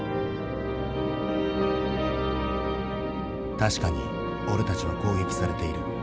「確かに俺たちは攻撃されている。